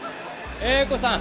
英子さん。